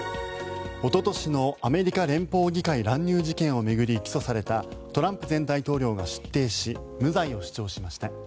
おととしのアメリカ連邦議会乱入事件を巡り起訴されたトランプ前大統領が出廷し無罪を主張しました。